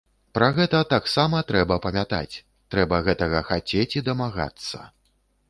Пра гэта таксама трэба памятаць, трэба гэтага хацець і дамагацца.